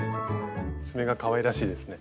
爪がかわいらしいですね。